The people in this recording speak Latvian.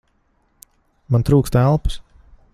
Man trūkst elpas!